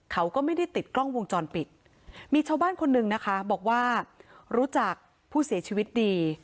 เขาก็ไม่ได้ติดกล้องวงจรปิดมีชาวบ้านคนหนึ่งนะคะบอกว่ารู้จักผู้เสียชีวิตดี